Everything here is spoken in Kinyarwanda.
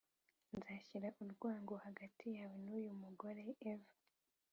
Nzashyira urwango hagati yawe n uyu mugore Eva